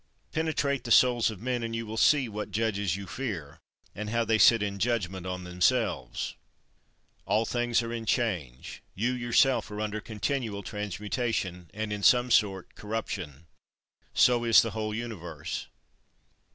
18. Penetrate the souls of men, and you will see what judges you fear, and how they sit in judgment on themselves. 19. All things are in change. You yourself are under continual transmutation, and, in some sort, corruption. So is the whole universe.